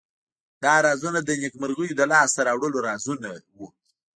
دا رازونه د نیکمرغیو د لاس ته راوړلو رازونه وو.